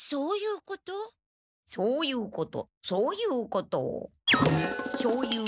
そういうことそういうことしょうゆう